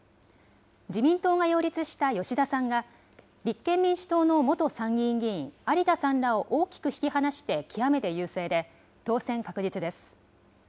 自民党が擁立した吉田さんが立憲民主党の元参議院議員、有田さんらを大きく引き離して、極めて優勢で、当選確実です。